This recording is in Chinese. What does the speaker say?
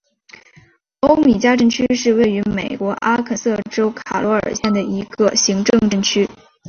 欧米加镇区是位于美国阿肯色州卡罗尔县的一个行政镇区。